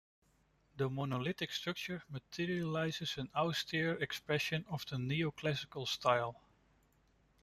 The monolithic structure materializes an austere expression of the neoclassical style.